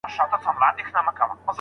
د انتيکو بازار لوړ قيمت ورکړی دی.